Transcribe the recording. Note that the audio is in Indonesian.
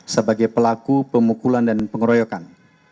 sebagai pelaku pemukulan dan pengeroyokan